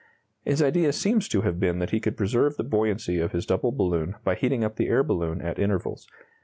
His idea seems to have been that he could preserve the buoyancy of his double balloon by heating up the air balloon at intervals.